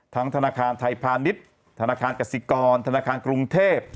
ธนาคารไทยพาณิชย์ธนาคารกสิกรธนาคารกรุงเทพ